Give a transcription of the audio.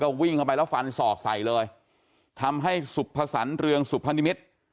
วิ่งเข้าไปแล้วฟันศอกใส่เลยทำให้สุภสรรเรืองสุพนิมิตร